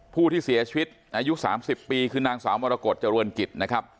ผู้ที่เสียชีวิตอายุ๓๐ปีคือนางสาวมรกฏเจริญกิจนะครับ